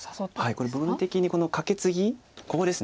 これ部分的にこのカケツギここです。